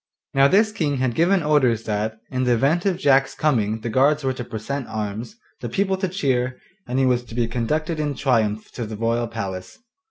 Now this King had given orders that, in the event of Jack's coming the guards were to present arms, the people to cheer, and he was to be conducted in triumph to the royal palace.